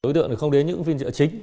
đối tượng không đến những viên trợ chính